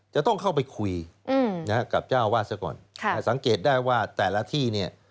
จะต้องเข้าไปคุยกับเจ้าอาวาสซะก่อนสังเกตได้ว่าแต่ละที่เนี่ย